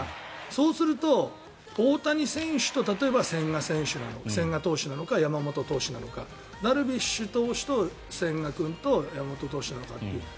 そうすると、大谷選手と例えば千賀投手なのか山本投手なのかダルビッシュ投手と千賀君と山本投手なのかと。